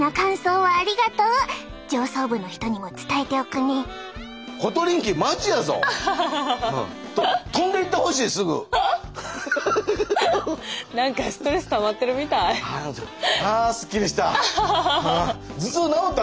はあすっきりした。